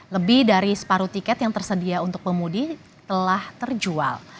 lebih dari separuh tiket yang tersedia untuk pemudi telah terjual